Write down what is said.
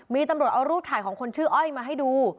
มีตำรวจเอารูปถ่ายของคนชื่ออ้อยมาให้ดู